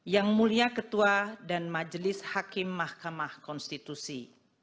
yang mulia ketua dan majelis hakim mahkamah konstitusi